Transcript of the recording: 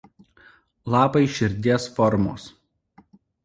Lapai širdies formos.